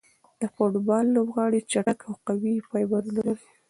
د فوټبال لوبغاړي چټک او قوي فایبرونه لري.